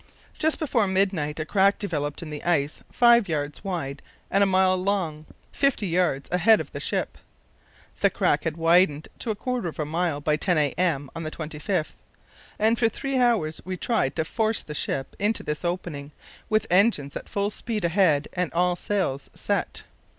Just before midnight a crack developed in the ice five yards wide and a mile long, fifty yards ahead of the ship. The crack had widened to a quarter of a mile by 10 a.m. on the 25th, and for three hours we tried to force the ship into this opening with engines at full speed ahead and all sails set.